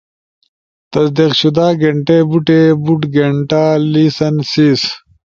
تصدیق شدہ گینٹی۔ بوٹے، بُوڑ گھینٹا، لیسن، سیز